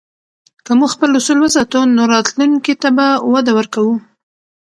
که موږ خپل اصول وساتو، نو راتلونکي ته به وده ورکوو.